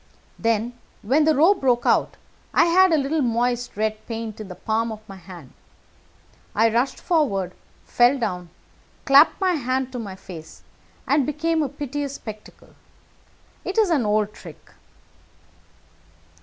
"Then, when the row broke out, I had a little moist red paint in the palm of my hand. I rushed forward, fell down, clapped my hand to my face, and became a piteous spectacle. It is an old trick."